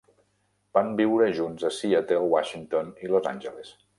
Van viure junts a Seattle, Washington i Los Angeles.